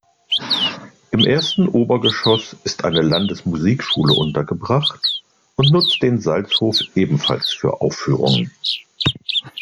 Im ersten Obergeschoss ist eine Landesmusikschule untergebracht und nutzt den Salzhof ebenfalls für Aufführungen.